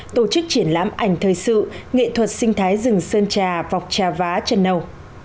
tổ chức triển lãm ảnh thời sự nghệ thuật sinh thái rừng sơn trà vọc trà vá chân nâu